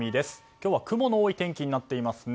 今日は雲の多い天気になっていますね。